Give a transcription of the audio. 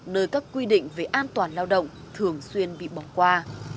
nơi các quy định về an toàn lao động thường xuyên bị bỏng qua